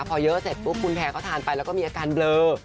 พอเยอะเสร็จปุ๊บคุณแพรเขาทานไปแล้วก็มีอาการเบลอ